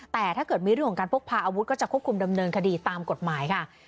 แต่ถ้าเกิดมีเรื่องของการพกพาอาวุธก็จะควบคุมดำเนินคดีตามกฎหมายค่ะ